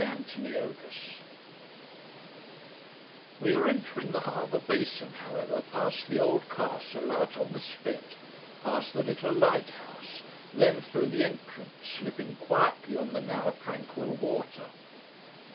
We are entering the harbour basin, however, past the old castle out on the spit, past the little lighthouse, then through the entrance, slipping quietly on the now tranquil water.